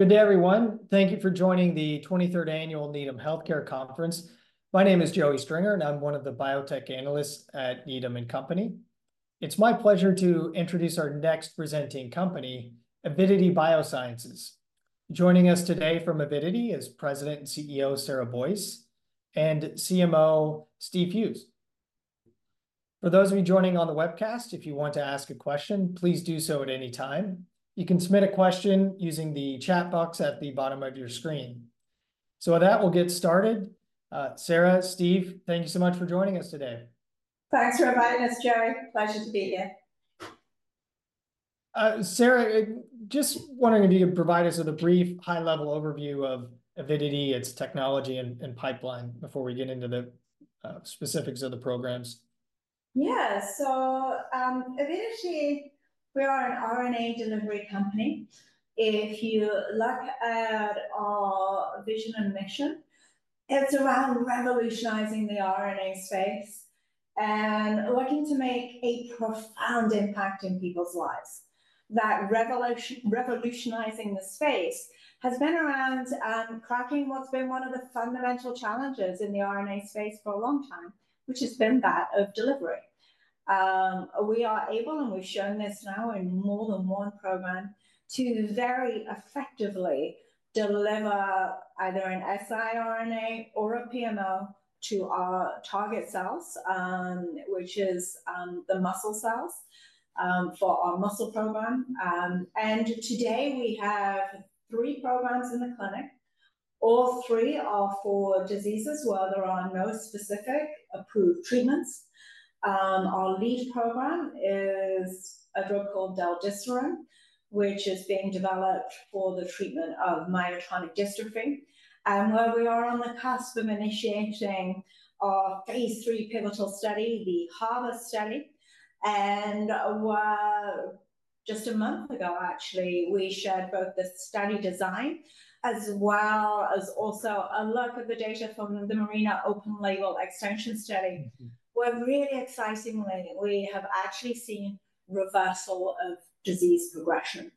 Good day, everyone. Thank you for joining the 23rd Annual Needham Healthcare Conference. My name is Joseph Stringer, and I'm one of the biotech analysts at Needham & Company. It's my pleasure to introduce our next presenting company, Avidity Biosciences. Joining us today from Avidity is President and CEO Sarah Boyce and CMO Steve Hughes. For those of you joining on the webcast, if you want to ask a question, please do so at any time. You can submit a question using the chat box at the bottom of your screen. So with that, we'll get started. Sarah, Steve, thank you so much for joining us today. Thanks for inviting us, Joe. Pleasure to be here. Sarah, just wondering if you could provide us with a brief high-level overview of Avidity, its technology, and pipeline before we get into the specifics of the programs? Yeah. So, Avidity, we are an RNA delivery company. If you look at our vision and mission, it's around revolutionizing the RNA space and looking to make a profound impact in people's lives. That revolutionizing the space has been around cracking what's been one of the fundamental challenges in the RNA space for a long time, which has been that of delivery. We are able, and we've shown this now in more than one program, to very effectively deliver either an siRNA or a PMO to our target cells, which is the muscle cells for our muscle program. And today we have three programs in the clinic. All three are for diseases where there are no specific approved treatments. Our lead program is a drug called del-desiran, which is being developed for the treatment of myotonic dystrophy, and where we are on the cusp of initiating our phase III pivotal study, the HARBOR study. Just a month ago, actually, we shared both the study design as well as also a look at the data from the MARINA Open-Label Extension study, where really excitingly, we have actually seen reversal of disease progression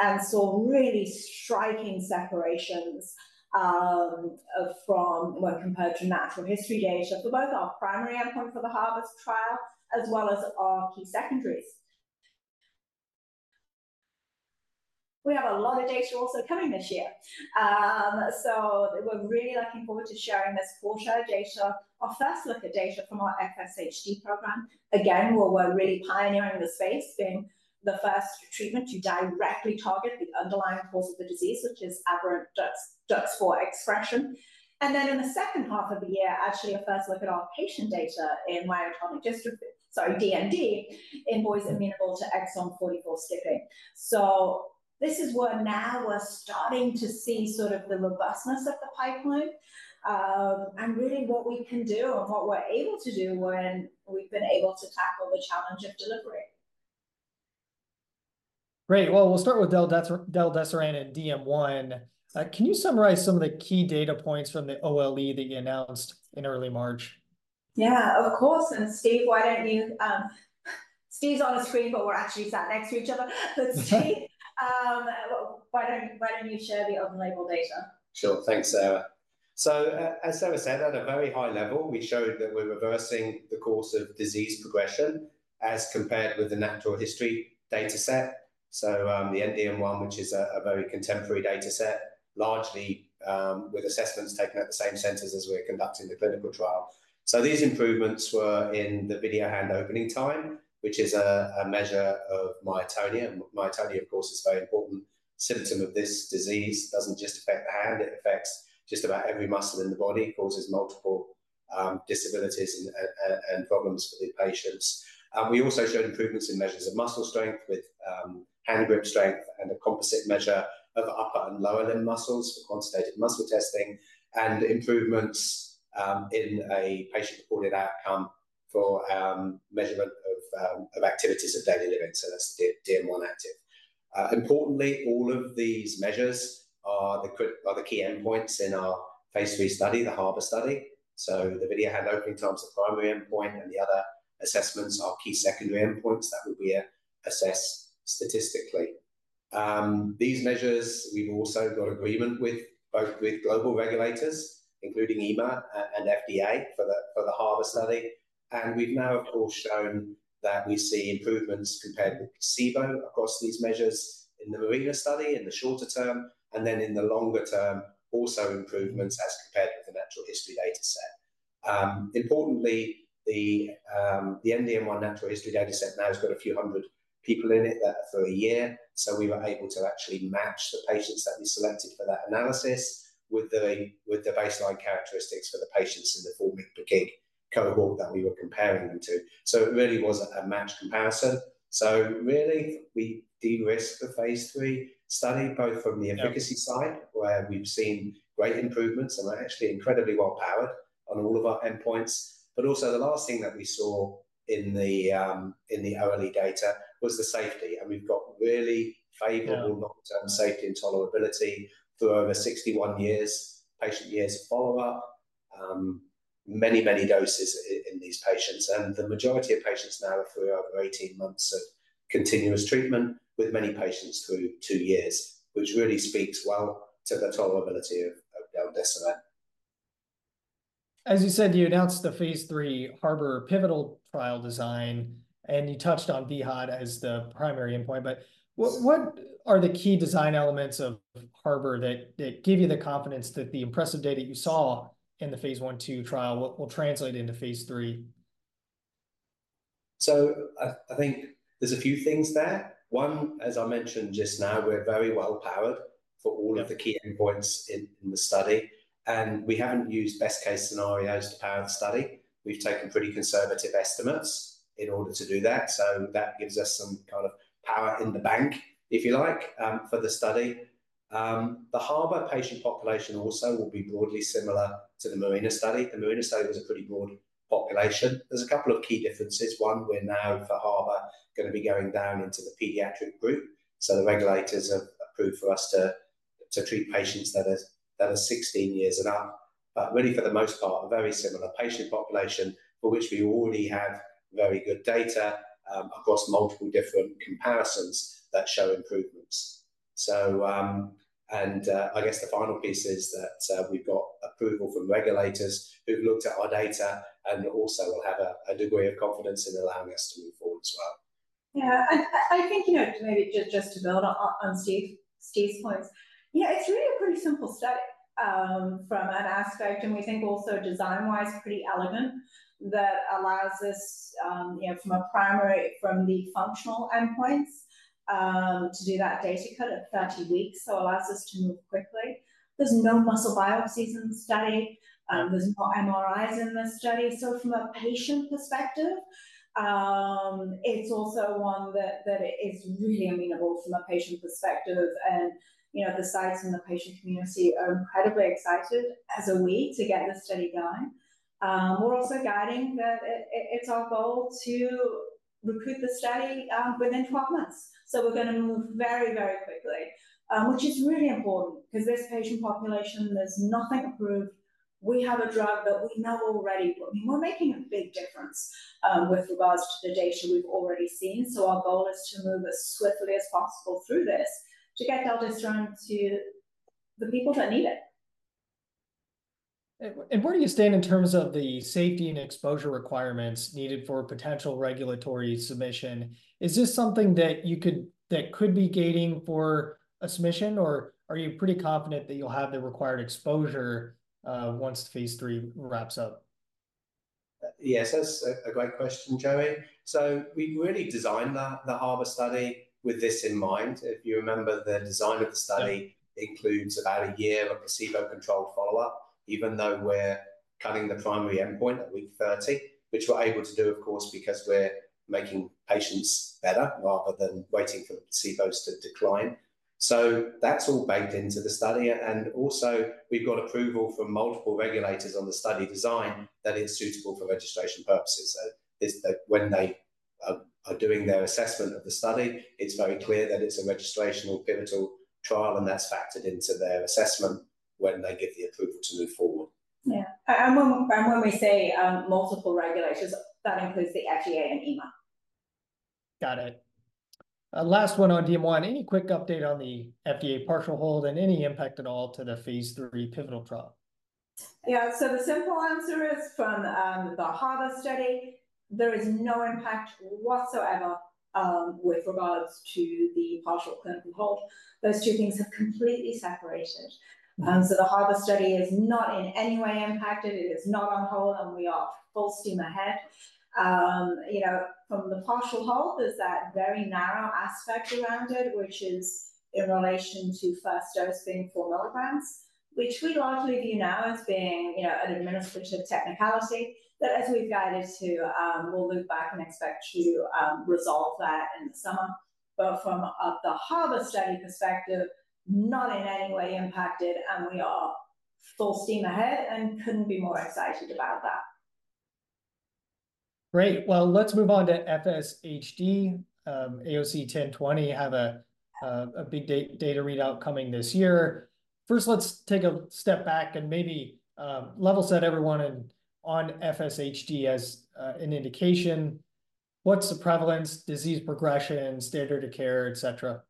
and saw really striking separations when compared to natural history data for both our primary endpoint for the HARBOR trial as well as our key secondaries. We have a lot of data also coming this year. So we're really looking forward to sharing this quarter data, our first look at data from our FSHD program. Again, where we're really pioneering the space, being the first treatment to directly target the underlying cause of the disease, which is aberrant DUX4 expression. And then in the second half of the year, actually, a first look at our patient data in myotonic dystrophy, sorry, DMD, in boys amenable to exon 44 skipping. So this is where now we're starting to see sort of the robustness of the pipeline and really what we can do and what we're able to do when we've been able to tackle the challenge of delivery. Great. Well, we'll start with del-desiran and DM1. Can you summarize some of the key data points from the OLE that you announced in early March? Yeah, of course. And Steve, why don't you—Steve's on the screen, but we're actually sat next to each other. But Steve, why don't you share the open label data? Sure. Thanks, Sarah. So as Sarah said, at a very high level, we showed that we're reversing the course of disease progression as compared with the natural history data set. So the END-DM1, which is a very contemporary data set, largely with assessments taken at the same centers as we're conducting the clinical trial. So these improvements were in the video hand opening time, which is a measure of myotonia. Myotonia, of course, is a very important symptom of this disease. It doesn't just affect the hand. It affects just about every muscle in the body, causes multiple disabilities and problems for the patients. We also showed improvements in measures of muscle strength with hand grip strength and a composite measure of upper and lower limb muscles for quantitative muscle testing and improvements in a patient-reported outcome for measurement of activities of daily living. So that's DM1-Activ. Importantly, all of these measures are the key endpoints in our phase III study, the HARBOR study. So the video hand opening time is the primary endpoint, and the other assessments are key secondary endpoints that will be assessed statistically. These measures, we've also got agreement with both global regulators, including EMA and phase III, for the HARBOR study. And we've now, of course, shown that we see improvements compared with placebo across these measures in the MARINA study in the shorter term, and then in the longer term, also improvements as compared with the natural history data set. Importantly, the END-DM1 natural history data set now has got a few hundred people in it for a year. So we were able to actually match the patients that we selected for that analysis with the baseline characteristics for the patients in the MARINA-OLE cohort that we were comparing them to. So it really was a match comparison. So really, we de-risked the phase III study, both from the efficacy side, where we've seen great improvements, and we're actually incredibly well-powered on all of our endpoints. But also the last thing that we saw in the OLE data was the safety. And we've got really favorable long-term safety and tolerability through over 61 patient-years follow-up, many, many doses in these patients. And the majority of patients now are through over 18 months of continuous treatment with many patients through two years, which really speaks well to the tolerability of del-desiran. As you said, you announced the phase III HARBOR pivotal trial design, and you touched on vHOT as the primary endpoint. But what are the key design elements of HARBOR that give you the confidence that the impressive data you saw in the phase I/II trial will translate into phase III? So I think there's a few things there. One, as I mentioned just now, we're very well-powered for all of the key endpoints in the study. And we haven't used best-case scenarios to power the study. We've taken pretty conservative estimates in order to do that. So that gives us some kind of power in the bank, if you like, for the study. The HARBOR patient population also will be broadly similar to the MARINA study. The MARINA study was a pretty broad population. There's a couple of key differences. One, we're now for HARBOR going to be going down into the pediatric group. So the regulators have approved for us to treat patients that are 16 years and up. But really, for the most part, a very similar patient population for which we already have very good data across multiple different comparisons that show improvements. I guess the final piece is that we've got approval from regulators who've looked at our data and also will have a degree of confidence in allowing us to move forward as well. Yeah. And I think maybe just to build on Steve's points, it's really a pretty simple study from an aspect, and we think also design-wise pretty elegant that allows us, from the functional endpoints, to do that data cut at 30 weeks. So it allows us to move quickly. There's no muscle biopsies in the study. There's no MRIs in this study. So from a patient perspective, it's also one that is really amenable from a patient perspective. And the sites and the patient community are incredibly excited as we to get this study going. We're also guiding that it's our goal to recruit the study within 12 months. So we're going to move very, very quickly, which is really important because this patient population, there's nothing approved. We have a drug that we know already. I mean, we're making a big difference with regards to the data we've already seen. So our goal is to move as swiftly as possible through this to get del-desiran to the people that need it. Where do you stand in terms of the safety and exposure requirements needed for potential regulatory submission? Is this something that could be gating for a submission, or are you pretty confident that you'll have the required exposure once phase III wraps up? Yes, that's a great question, Joey. We really designed the HARBOR study with this in mind. If you remember, the design of the study includes about a year of a placebo-controlled follow-up, even though we're cutting the primary endpoint at week 30, which we're able to do, of course, because we're making patients better rather than waiting for the placebos to decline. That's all baked into the study. Also, we've got approval from multiple regulators on the study design that it's suitable for registration purposes. When they are doing their assessment of the study, it's very clear that it's a registration or pivotal trial, and that's factored into their assessment when they get the approval to move forward. Yeah. When we say multiple regulators, that includes the FDA and EMA. Got it. Last one on DM1, any quick update on the FDA partial hold and any impact at all to the phase III pivotal trial? Yeah. So the simple answer is from the HARBOR study, there is no impact whatsoever with regards to the partial clinical hold. Those two things have completely separated. So the HARBOR study is not in any way impacted. It is not on hold, and we are full steam ahead. From the partial hold, there's that very narrow aspect around it, which is in relation to first dose being 4 mg, which we largely view now as being an administrative technicality that, as we've guided to, we'll loop back and expect to resolve that in the summer. But from the HARBOR study perspective, not in any way impacted, and we are full steam ahead and couldn't be more excited about that. Great. Well, let's move on to FSHD. AOC 1020 have a big data readout coming this year. First, let's take a step back and maybe level set everyone on FSHD as an indication. What's the prevalence, disease progression, standard of care, etc.?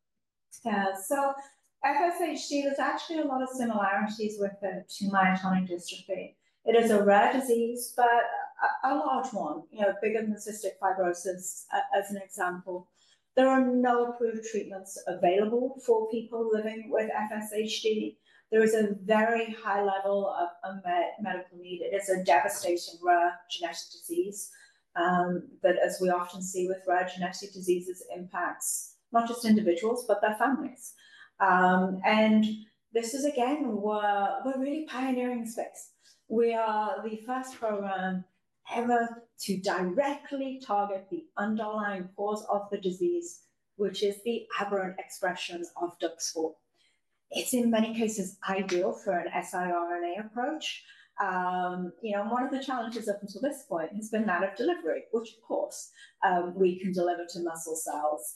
Yeah. So FSHD, there's actually a lot of similarities with DM1 myotonic dystrophy. It is a rare disease, but a large one, bigger than cystic fibrosis, as an example. There are no approved treatments available for people living with FSHD. There is a very high level of medical need. It is a devastating rare genetic disease that, as we often see with rare genetic diseases, impacts not just individuals, but their families. And this is, again, we're really pioneering the space. We are the first program ever to directly target the underlying cause of the disease, which is the aberrant expression of DUX4. It's, in many cases, ideal for an siRNA approach. One of the challenges up until this point has been that of delivery, which, of course, we can deliver to muscle cells.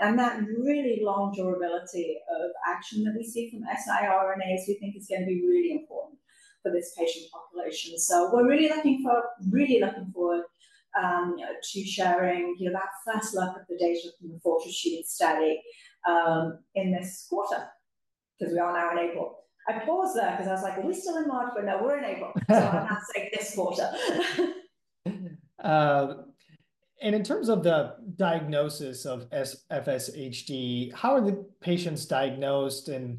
And that really long durability of action that we see from siRNAs, we think, is going to be really important for this patient population. So we're really looking forward to sharing that first look at the data from the FORTITUDE study in this quarter because we are now in April. I paused there because I was like, "We're still in March." But no, we're in April. So I'm not saying this quarter. In terms of the diagnosis of FSHD, how are the patients diagnosed, and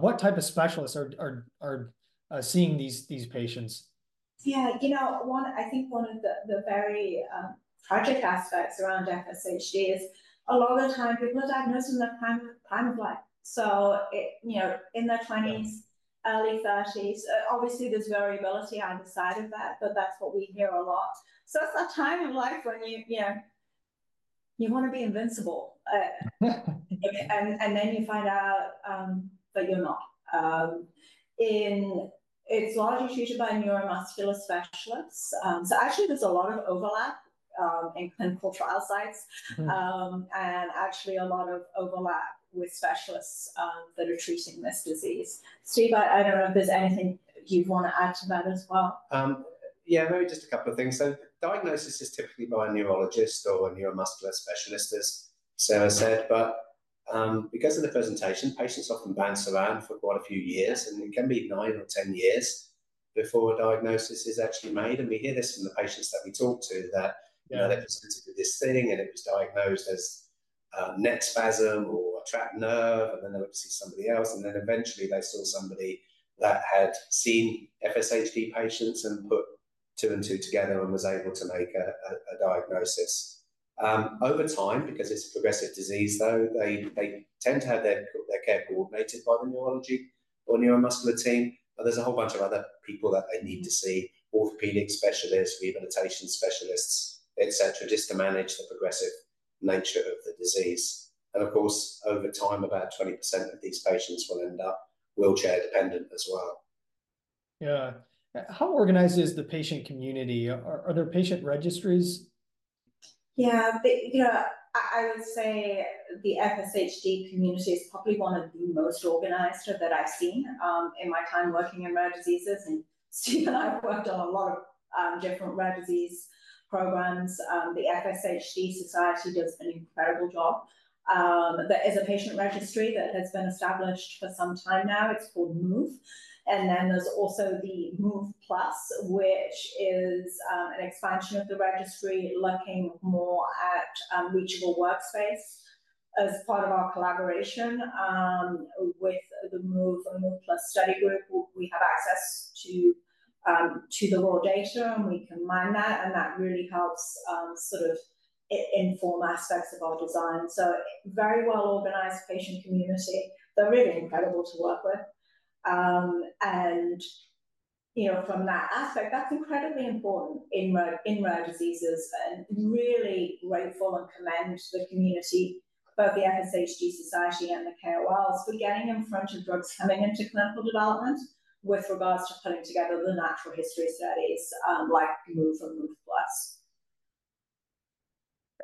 what type of specialists are seeing these patients? Yeah. I think one of the very tragic aspects around FSHD is, a lot of the time, people are diagnosed in their prime of life. So in their 20s, early 30s, obviously, there's variability on the side of that, but that's what we hear a lot. So it's that time of life when you want to be invincible, and then you find out that you're not. It's largely treated by neuromuscular specialists. So actually, there's a lot of overlap in clinical trial sites and actually a lot of overlap with specialists that are treating this disease. Steve, I don't know if there's anything you'd want to add to that as well. Yeah, maybe just a couple of things. So diagnosis is typically by a neurologist or a neuromuscular specialist, as Sarah said. But because of the presentation, patients often bounce around for quite a few years, and it can be nine or 10 years before a diagnosis is actually made. And we hear this from the patients that we talk to, that they presented with this thing, and it was diagnosed as neck spasm or a trapped nerve, and then they went to see somebody else. And then eventually, they saw somebody that had seen FSHD patients and put two and two together and was able to make a diagnosis. Over time, because it's a progressive disease, though, they tend to have their care coordinated by the neurology or neuromuscular team. There's a whole bunch of other people that they need to see: orthopedic specialists, rehabilitation specialists, etc., just to manage the progressive nature of the disease. Of course, over time, about 20% of these patients will end up wheelchair-dependent as well. Yeah. How organized is the patient community? Are there patient registries? Yeah. I would say the FSHD community is probably one of the most organized that I've seen in my time working in rare diseases. And Steve and I have worked on a lot of different rare disease programs. The FSHD Society does an incredible job. There is a patient registry that has been established for some time now. It's called MOVE. And then there's also the MOVE Plus, which is an expansion of the registry looking more at reachable workspace. As part of our collaboration with the MOVE and MOVE Plus study group, we have access to the raw data, and we can mine that. And that really helps sort of inform aspects of our design. So very well-organized patient community. They're really incredible to work with. And from that aspect, that's incredibly important in rare diseases. Really grateful and commend the community, both the FSHD Society and the KOLs, for getting in front of drugs coming into clinical development with regards to putting together the natural history studies like MOVE and MOVE Plus.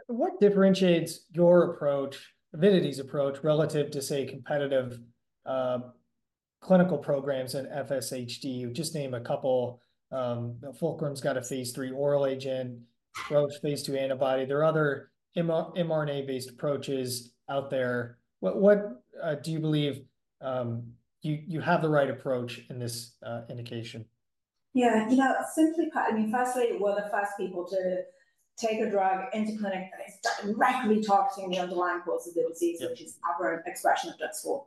What differentiates your approach, Avidity's approach, relative to, say, competitive clinical programs in FSHD? You just named a couple. Fulcrum's got a phase III oral agent, Roche phase II antibody. There are other mRNA-based approaches out there. What do you believe you have the right approach in this indication? Yeah. Simply put, I mean, firstly, we're the first people to take a drug into clinic that is directly targeting the underlying cause of the disease, which is aberrant expression of DUX4.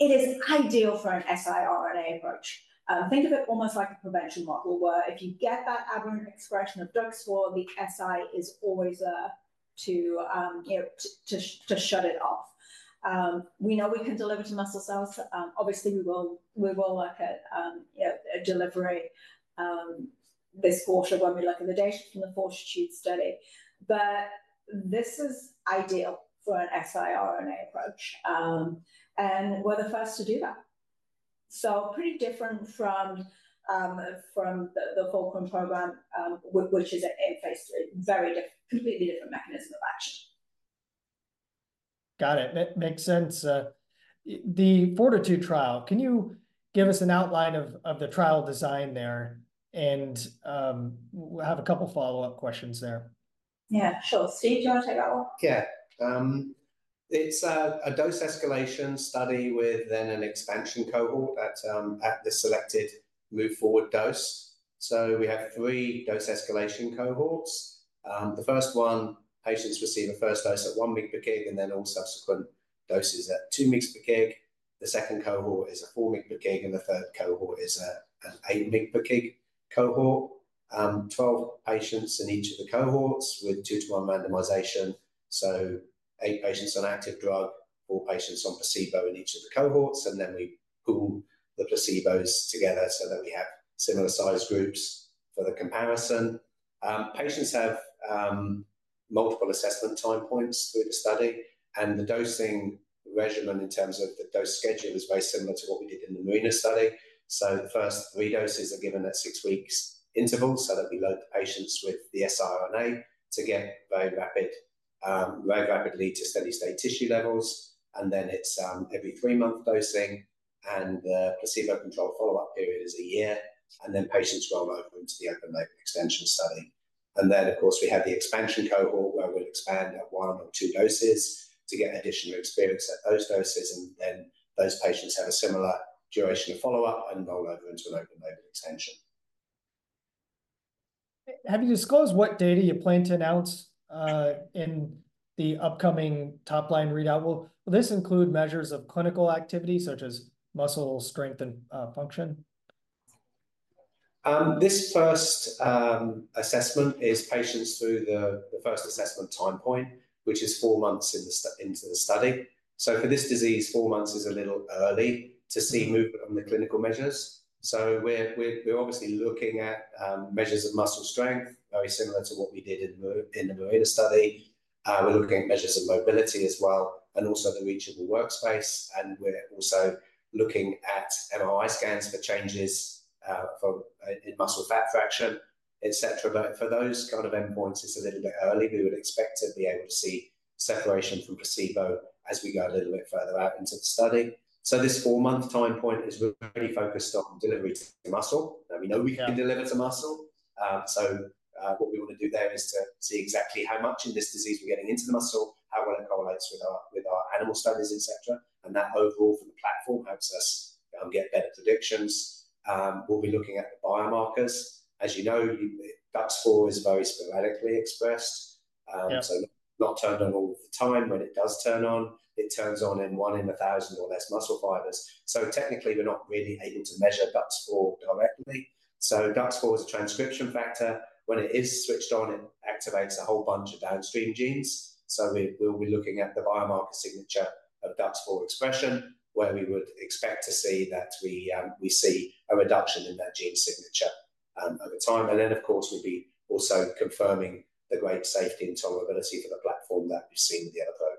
It is ideal for an siRNA approach. Think of it almost like a prevention model where if you get that aberrant expression of DUX4, the si is always there to shut it off. We know we can deliver to muscle cells. Obviously, we will look at delivery this quarter when we look at the data from the FORTITUDE study. But this is ideal for an siRNA approach and we're the first to do that. So pretty different from the Fulcrum program, which is in phase III, completely different mechanism of action. Got it. That makes sense. The FORTITUDE trial, can you give us an outline of the trial design there? And we'll have a couple of follow-up questions there. Yeah, sure. Steve, do you want to take that one? Yeah. It's a dose escalation study with then an expansion cohort at the selected move forward dose. So we have three dose escalation cohorts. The first one, patients receive a first dose at 1 mg/kg, and then all subsequent doses at 2 mg/kg. The second cohort is a 4-mg/kg, and the third cohort is an 8-mg/kg cohort. 12 patients in each of the cohorts with 2-1 randomization. So eight patients on active drug, four patients on placebo in each of the cohorts. And then we pool the placebos together so that we have similar-sized groups for the comparison. Patients have multiple assessment time points through the study. And the dosing regimen in terms of the dose schedule is very similar to what we did in the MARINA study. So the first three doses are given at six-week intervals so that we load the patients with the siRNA to get very rapidly to steady-state tissue levels. Then it's every month-month dosing. The placebo-controlled follow-up period is a year. Then patients roll over into the open-label extension study. Of course, we have the expansion cohort where we'll expand at one or two doses to get additional experience at those doses. Then those patients have a similar duration of follow-up and roll over into an open-label extension. Have you disclosed what data you plan to announce in the upcoming topline readout? Will this include measures of clinical activity such as muscle strength and function? This first assessment is patients through the first assessment time point, which is four months into the study. So for this disease, four months is a little early to see movement on the clinical measures. So we're obviously looking at measures of muscle strength, very similar to what we did in the MARINA study. We're looking at measures of mobility as well and also the reachable workspace. And we're also looking at MRI scans for changes in muscle fat fraction, etc. But for those kind of endpoints, it's a little bit early. We would expect to be able to see separation from placebo as we go a little bit further out into the study. So this four-month time point is really focused on delivery to muscle. Now, we know we can deliver to muscle. So what we want to do there is to see exactly how much in this disease we're getting into the muscle, how well it correlates with our animal studies, etc. And that overall for the platform helps us get better predictions. We'll be looking at the biomarkers. As you know, DUX4 is very sporadically expressed. So not turned on all of the time. When it does turn on, it turns on in one in 1,000 or less muscle fibers. So technically, we're not really able to measure DUX4 directly. So DUX4 is a transcription factor. When it is switched on, it activates a whole bunch of downstream genes. So we'll be looking at the biomarker signature of DUX4 expression where we would expect to see that we see a reduction in that gene signature over time. And then, of course, we'd be also confirming the great safety and tolerability for the platform that we've seen with the other programs.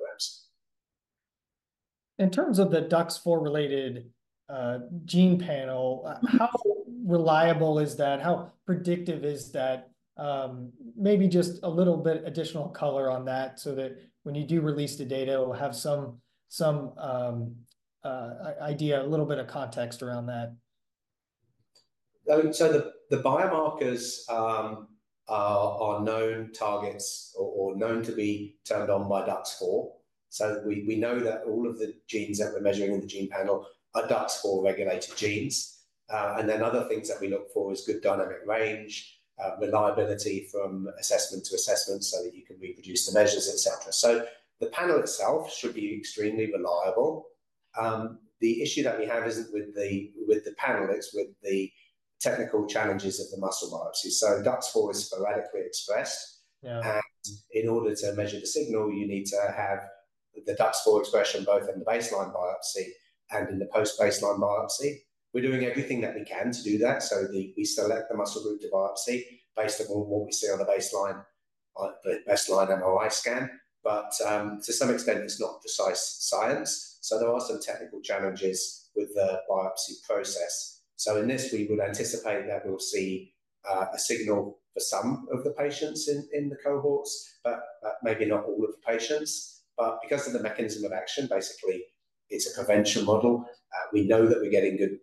In terms of the DUX4-related gene panel, how reliable is that? How predictive is that? Maybe just a little bit additional color on that so that when you do release the data, we'll have some idea, a little bit of context around that. So the biomarkers are known targets or known to be turned on by DUX4. So we know that all of the genes that we're measuring in the gene panel are DUX4-regulated genes. And then other things that we look for is good dynamic range, reliability from assessment to assessment so that you can reproduce the measures, etc. So the panel itself should be extremely reliable. The issue that we have isn't with the panel. It's with the technical challenges of the muscle biopsy. So DUX4 is sporadically expressed. And in order to measure the signal, you need to have the DUX4 expression both in the baseline biopsy and in the post-baseline biopsy. We're doing everything that we can to do that. So we select the muscle group to biopsy based upon what we see on the baseline MRI scan. But to some extent, it's not precise science. There are some technical challenges with the biopsy process. In this, we would anticipate that we'll see a signal for some of the patients in the cohorts, but maybe not all of the patients. But because of the mechanism of action, basically, it's a prevention model. We know that we're getting good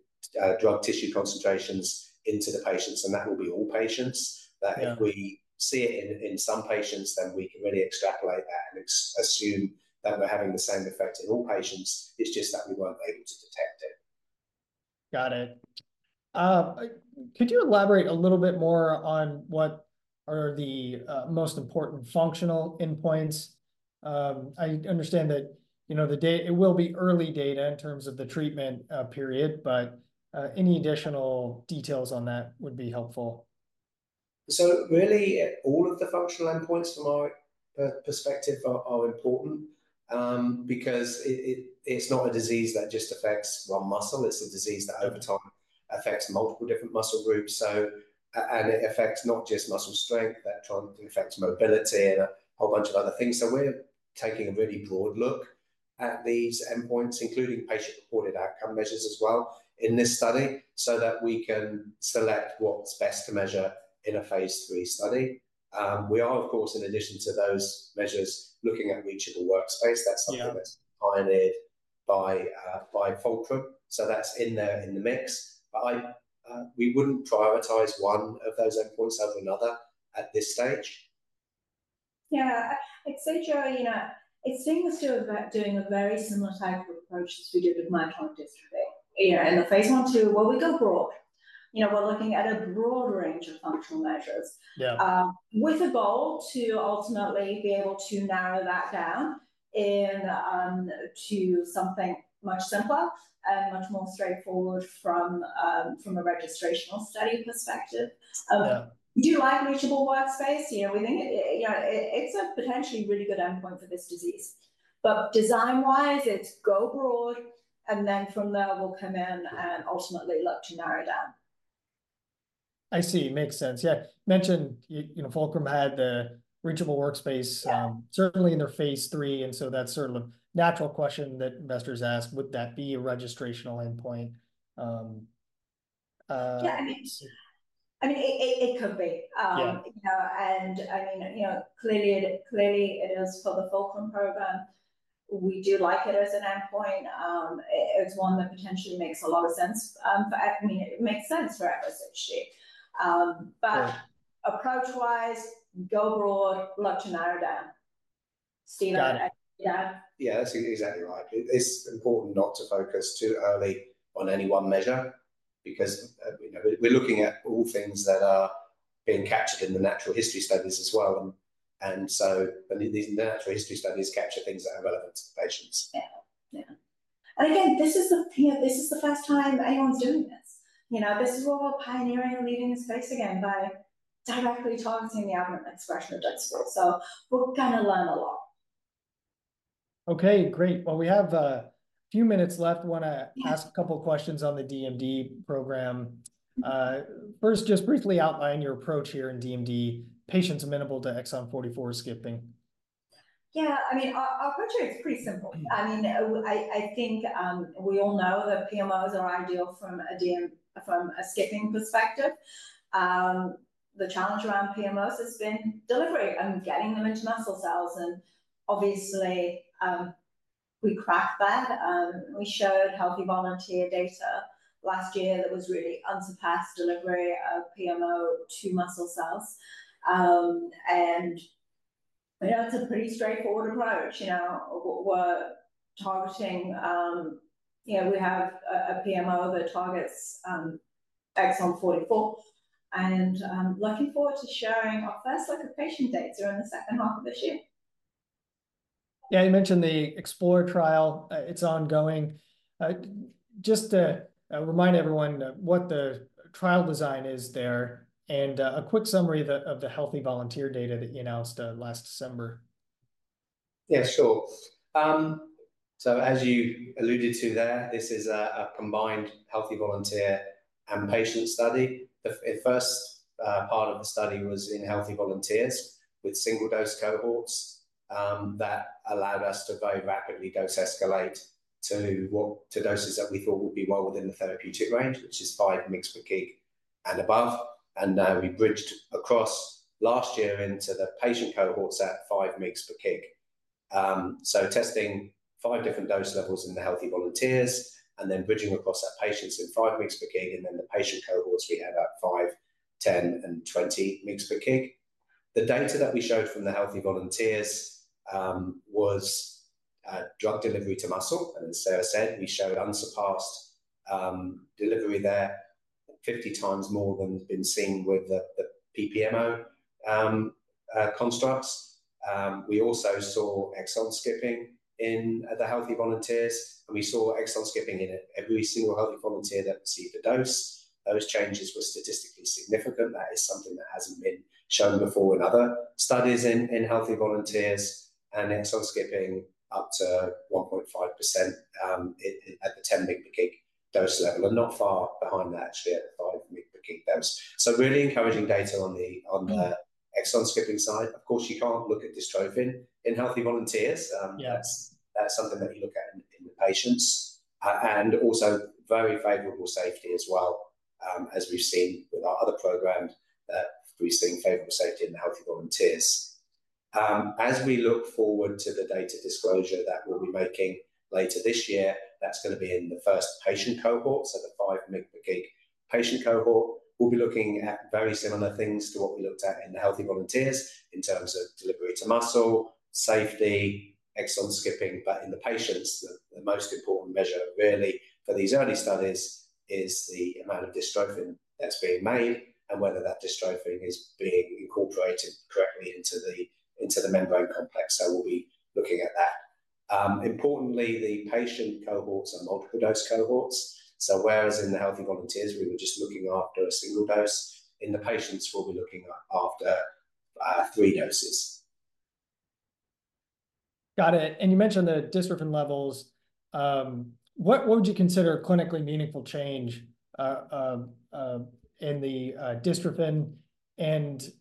drug tissue concentrations into the patients, and that will be all patients. That if we see it in some patients, then we can really extrapolate that and assume that we're having the same effect in all patients. It's just that we weren't able to detect it. Got it. Could you elaborate a little bit more on what are the most important functional endpoints? I understand that the data it will be early data in terms of the treatment period, but any additional details on that would be helpful. So really, all of the functional endpoints, from our perspective, are important because it's not a disease that just affects one muscle. It's a disease that over time affects multiple different muscle groups. And it affects not just muscle strength. That affects mobility and a whole bunch of other things. So we're taking a really broad look at these endpoints, including patient-reported outcome measures as well in this study so that we can select what's best to measure in a phase III study. We are, of course, in addition to those measures, looking at reachable workspace. That's something that's pioneered by Fulcrum. So that's in there in the mix. But we wouldn't prioritize one of those endpoints over another at this stage. Yeah. Like said, Joe, it seems to have been doing a very similar type of approach as we did with myotonic dystrophy. In the phase I/II, well, we go broad. We're looking at a broad range of functional measures with a goal to ultimately be able to narrow that down to something much simpler and much more straightforward from a registrational study perspective. We do like reachable workspace. We think it's a potentially really good endpoint for this disease. But design-wise, it's go broad. And then from there, we'll come in and ultimately look to narrow down. I see. Makes sense. Yeah. Mentioned Fulcrum had the reachable workspace, certainly in their phase III. And so that's sort of a natural question that investors ask. Would that be a registrational endpoint? Yeah. I mean, it could be. And I mean, clearly, it is for the Fulcrum program. We do like it as an endpoint. It's one that potentially makes a lot of sense for—I mean, it makes sense for FSHD. But approach-wise, go broad, look to narrow down. Steve, do you see that? Yeah, that's exactly right. It's important not to focus too early on any one measure because we're looking at all things that are being captured in the natural history studies as well. And so the natural history studies capture things that are relevant to the patients. Yeah. Yeah. And again, this is the first time anyone's doing this. This is where we're pioneering and leading the space again by directly targeting the aberrant expression of DUX4. So we're going to learn a lot. Okay. Great. Well, we have a few minutes left. I want to ask a couple of questions on the DMD program. First, just briefly outline your approach here in DMD, patients amenable to exon 44 skipping. Yeah. I mean, our approach here is pretty simple. I mean, I think we all know that PMOs are ideal from a skipping perspective. The challenge around PMOs has been delivery and getting them into muscle cells. Obviously, we cracked that. We showed healthy volunteer data last year that was really unsurpassed delivery of PMO to muscle cells. It's a pretty straightforward approach. We're targeting. We have a PMO that targets Exon 44. Looking forward to sharing our first look of patient data in the second half of this year. Yeah. You mentioned the EXPLORE trial. It's ongoing. Just to remind everyone what the trial design is there and a quick summary of the healthy volunteer data that you announced last December. Yeah, sure. So as you alluded to there, this is a combined healthy volunteer and patient study. The first part of the study was in healthy volunteers with single-dose cohorts that allowed us to very rapidly dose escalate to doses that we thought would be well within the therapeutic range, which is 5 mg/kg and above. And now we bridged across last year into the patient cohorts at 5 mg/kg. So testing five different dose levels in the healthy volunteers and then bridging across our patients in 5 mg/kg, and then the patient cohorts we had at 5, 10, and 20 mg/kg. The data that we showed from the healthy volunteers was drug delivery to muscle. And as Sarah said, we showed unsurpassed delivery there, 50 times more than been seen with the PPMO constructs. We also saw exon skipping in the healthy volunteers. We saw exon skipping in every single healthy volunteer that received a dose. Those changes were statistically significant. That is something that hasn't been shown before in other studies in healthy volunteers. Exon skipping up to 1.5% at the 10 mg/kg dose level and not far behind that, actually, at the 5 mg/kg dose. So really encouraging data on the exon skipping side. Of course, you can't look at dystrophin in healthy volunteers. That's something that you look at in the patients and also very favorable safety as well, as we've seen with our other program that we've seen favorable safety in the healthy volunteers. As we look forward to the data disclosure that we'll be making later this year, that's going to be in the first patient cohort. So the 5 mg/k kg patient cohort, we'll be looking at very similar things to what we looked at in the healthy volunteers in terms of delivery to muscle, safety, exon skipping. But in the patients, the most important measure really for these early studies is the amount of dystrophin that's being made and whether that dystrophin is being incorporated correctly into the membrane complex. So we'll be looking at that. Importantly, the patient cohorts are multiple-dose cohorts. So whereas in the healthy volunteers, we were just looking after a single dose, in the patients, we'll be looking after three doses. Got it. And you mentioned the Dystrophin levels. What would you consider clinically meaningful change in the Dystrophin and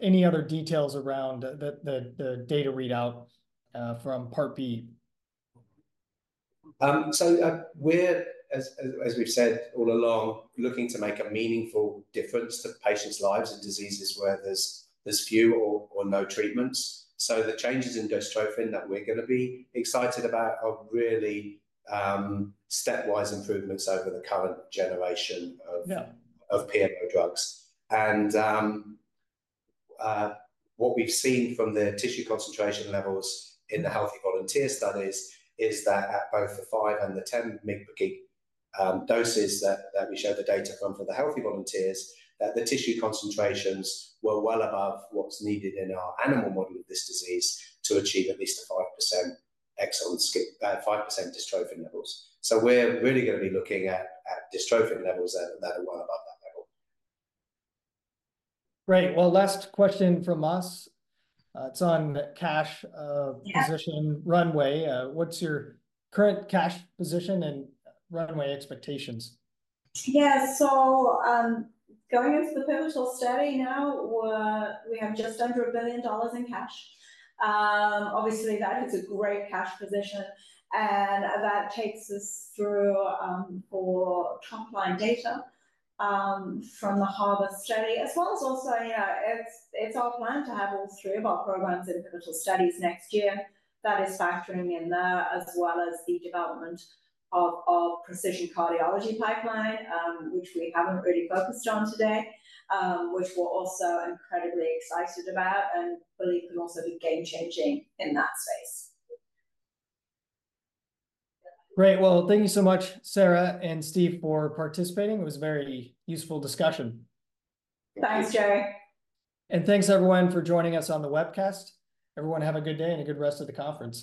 any other details around the data readout from Part B? So we're, as we've said all along, looking to make a meaningful difference to patients' lives in diseases where there's few or no treatments. So the changes in dystrophin that we're going to be excited about are really stepwise improvements over the current generation of PMO drugs. And what we've seen from the tissue concentration levels in the healthy volunteer studies is that at both the 5 and the 10 mg/kg doses that we showed the data from for the healthy volunteers, that the tissue concentrations were well above what's needed in our animal model of this disease to achieve at least 5% exon dystrophin levels. So we're really going to be looking at dystrophin levels that are well above that level. Great. Well, last question from us. It's on cash position runway. What's your current cash position and runway expectations? Yeah. So going into the pivotal study now, we have just under $1 billion in cash. Obviously, that is a great cash position. And that takes us through our top-line data from the HARBOR study, as well as also it's our plan to have all three of our programs in pivotal studies next year. That is factoring in there as well as the development of our precision cardiology pipeline, which we haven't really focused on today, which we're also incredibly excited about and believe can also be game-changing in that space. Great. Well, thank you so much, Sarah and Steve, for participating. It was a very useful discussion. Thanks, Joe. Thanks, everyone, for joining us on the webcast. Everyone, have a good day and a good rest of the conference.